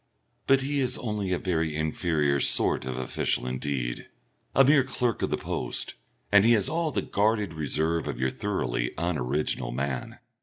But he is only a very inferior sort of official indeed, a mere clerk of the post, and he has all the guarded reserve of your thoroughly unoriginal man.